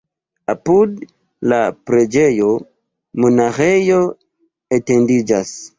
Apud la preĝejo monaĥejo etendiĝas.